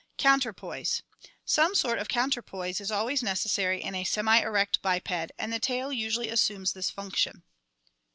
Counterpoise. — Some sort of counterpoise is always necessary in a semi erect biped and the tail usually assumes this function.